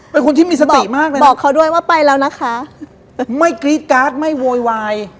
เป็นคนที่มีสติมากเลยบอกเขาด้วยว่าไปแล้วนะคะไม่กรี๊ดการ์ดไม่โวยวาย